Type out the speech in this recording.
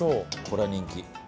これは人気。